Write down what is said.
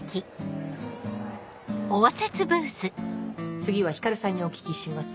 次はひかるさんにお聞きします。